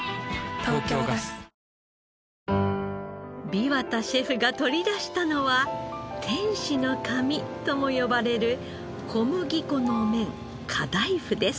枇杷田シェフが取り出したのは「天使の髪」とも呼ばれる小麦粉の麺カダイフです。